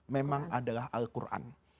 memang adalah al quran